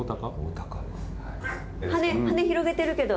羽広げてるけど。